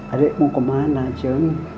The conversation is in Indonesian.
adikmu kemana jem